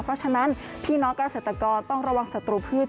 เพราะฉะนั้นพี่น้องเกษตรกรต้องระวังศัตรูพืช